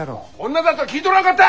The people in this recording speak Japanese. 女だとは聞いとらんかった！